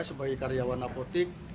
sebagai karyawan apotik